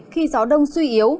khi gió đông suy yếu